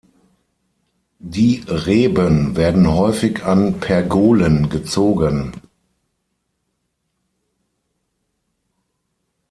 Die Reben werden häufig an Pergolen gezogen.